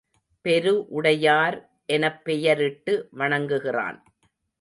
பெரு உடையார் எனப் பெயரிட்டு வணங்குகிறான்.